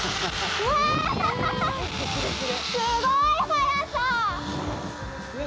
すごい速さ！